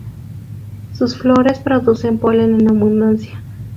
Sus flores producen polen en abundancia.